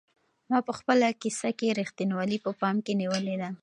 ما په خپله کيسه کې رښتینولي په پام کې نیولې ده.